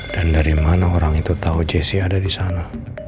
dan dari mana orang itu tau jessy ada disana